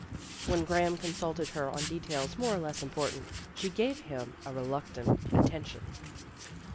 When Graham consulted her on details more or less important, she gave him a reluctant attention.